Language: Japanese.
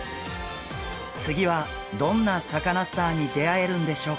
次はどんなサカナスターに出会えるんでしょうか。